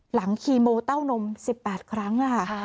หลังคีโมเต้านม๑๘ครั้ง